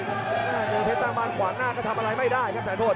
โอ้โหแผนสร้างบ้านขวางหน้าก็ทำอะไรไม่ได้ครับแผนพนธ์